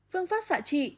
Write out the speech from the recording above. phương pháp xạ trị